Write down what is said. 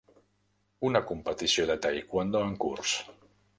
Una competició de Tae Kwon Do en curs.